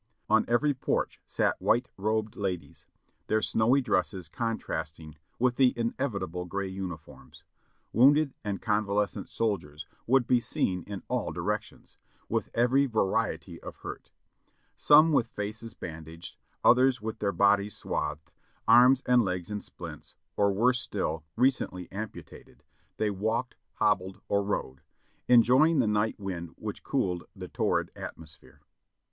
On every porch sat white robed ladies, their snowy dresses contrast ing with the inevitable gray uniforms ; wounded and conva lescent soldiers would be seen in all directions, with every variety of hurt ; some with faces bandaged, others with their bodies swathed, arms and legs in splints, or worse still, recently ampu tated, they walked, hobbled or rode, enjoying the night wind which cooled the torrid atmosphere.